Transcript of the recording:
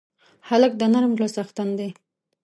هلک د نرم زړه څښتن دی.